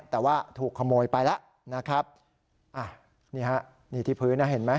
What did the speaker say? แต่ว่าถูกขโมยไปแล้วนะครับอ่ะนี่ฮะนี่ที่พื้นนะเห็นไหม